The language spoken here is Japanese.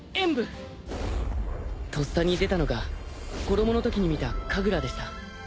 とっさに出たのが子供のときに見た神楽でした。